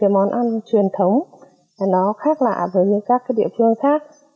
món ăn truyền thống nó khác lạ với các địa phương khác